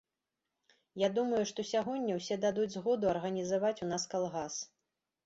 Я думаю, што сягоння ўсе дадуць згоду арганізаваць у нас калгас.